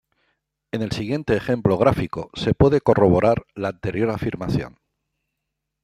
En el siguiente ejemplo gráfico se puede corroborar la anterior afirmación.